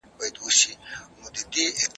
ټولنیز عمل د ماکس وِبر لخوا تشریح شو.